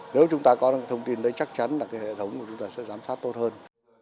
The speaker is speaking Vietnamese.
nếu chúng ta có thông tin đấy chắc chắn là cái hệ thống của chúng ta sẽ giám sát tốt hơn